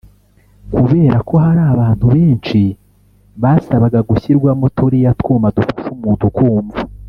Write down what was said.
Kubera ko hari abantu benshi basabaga gushyirwamo turiya twuma dufasha umuntu kumva